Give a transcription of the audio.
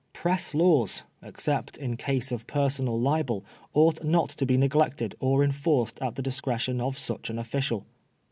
Press laws, except in cases of personal libel, ought not to be neglected or enforced at the discretion of such an official.